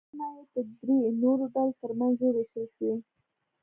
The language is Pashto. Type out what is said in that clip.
سلنه یې د درې نورو ډلو ترمنځ ووېشل شوې.